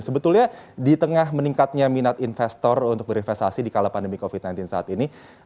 sebetulnya di tengah meningkatnya minat investor untuk berinvestasi di kala pandemi covid sembilan belas saat ini